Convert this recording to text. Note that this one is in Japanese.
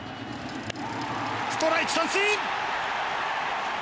ストライク、三振！